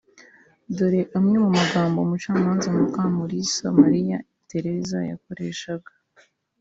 dore amwe mu magambo umucamanza Mukamurisa Mariya Tereza yakoreshaga